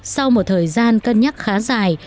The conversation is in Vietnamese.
sau một thời gian cân nhắc khá dài